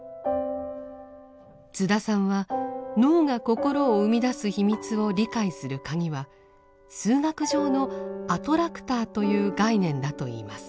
津田さんは脳が心を生み出す秘密を理解するカギは数学上の「アトラクター」という概念だといいます。